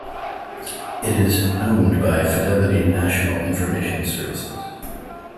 It is owned by Fidelity National Information Services.